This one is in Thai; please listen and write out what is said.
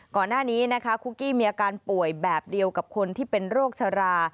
ก่อนหน้านี้นะคะคุกกี้มีอาการป่วยแบบเดียวกับคนที่เป็นโรคชรา